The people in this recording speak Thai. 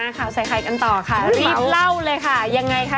กลับมาข่าวใส่ใครกันต่อครับ